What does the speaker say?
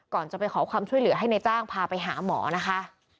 ก่อนจะไปขอความช่วยเหลือให้ในจ้างพาไปหาหมอนะคะ